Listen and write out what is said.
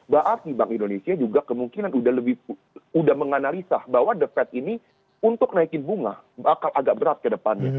berarti bank indonesia juga kemungkinan sudah menganalisa bahwa the fed ini untuk naikin bunga bakal agak berat ke depannya